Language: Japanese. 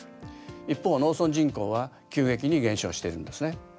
一方農村人口は急激に減少しているんですね。